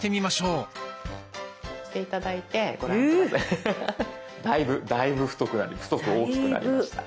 う！だいぶだいぶ太く太く大きくなりました。